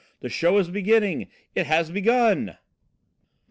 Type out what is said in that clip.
The show is beginning! It has begun!"